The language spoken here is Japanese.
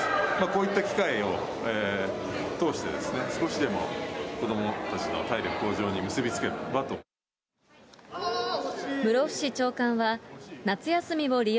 こういった機会を通して、少しでも子どもたちの体力向上に結び付ければと。